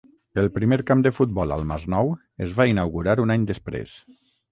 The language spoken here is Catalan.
El primer camp de futbol al Masnou es va inaugurar un any després.